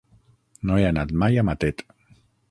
No he anat mai a Matet.